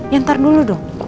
yantar dulu dong